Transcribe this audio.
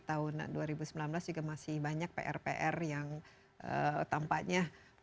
tahun dua ribu sembilan belas juga masih banyak prpr yang berkembang dan juga juga banyak yang berkembang dan juga juga